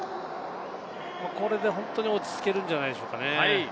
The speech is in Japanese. これで本当に落ち着けるんじゃないでしょうかね。